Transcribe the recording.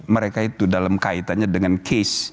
mereka itu dalam kaitannya dengan case